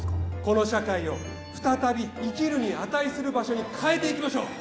この社会を再び生きるに値する場所に変えていきましょう！